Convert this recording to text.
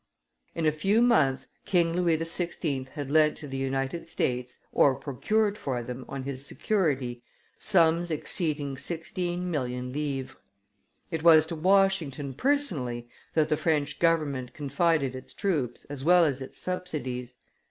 In a few months King Louis XVI. had lent to the United States or procured for them on his security sums exceeding sixteen million livres. It was to Washington personally that the French government confided its troops as well as its subsidies.